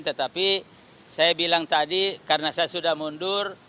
tetapi saya bilang tadi karena saya sudah mundur